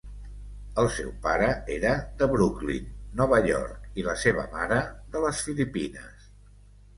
El seu pare era de Brooklyn, Nova York, i la seva mare de les Filipines.